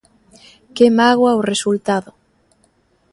Que mágoa o resultado.